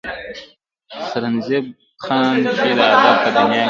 سرنزېب خان چې د ادب پۀ دنيا کښې